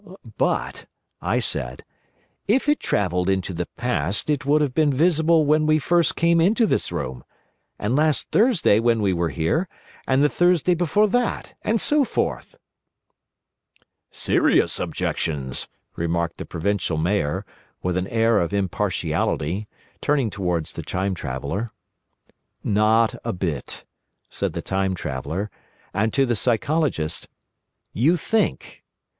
"But," said I, "If it travelled into the past it would have been visible when we came first into this room; and last Thursday when we were here; and the Thursday before that; and so forth!" "Serious objections," remarked the Provincial Mayor, with an air of impartiality, turning towards the Time Traveller. "Not a bit," said the Time Traveller, and, to the Psychologist: "You think.